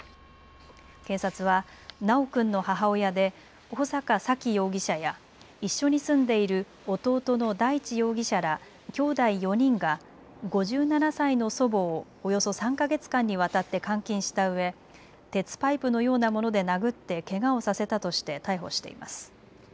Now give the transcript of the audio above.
警察は修君の母親で穂坂沙喜容疑者や一緒に住んでいる弟の大地容疑者ら、きょうだい４人が５７歳の祖母をおよそ３か月間にわたって監禁したうえ鉄パイプのようなもので殴ってけがをさせたとして逮捕しています。